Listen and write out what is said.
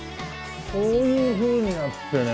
こういうふうにやってね。